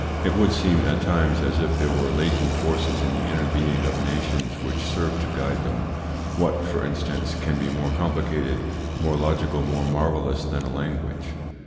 It would seem, at times, as if there were latent forces in the inner being of nations which serve to guide them. What, for instance, can be more complicated, more logical, more marvellous than a language?